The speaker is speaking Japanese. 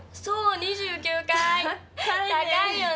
そう２９かい！